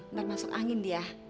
ntar masuk angin dia